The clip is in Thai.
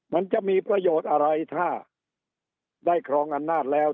มันจะมีประโยชน์อะไรถ้าได้ครองอำนาจแล้ว